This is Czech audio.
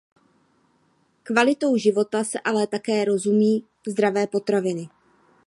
Kvalitou života se ale také rozumí zdravé potraviny.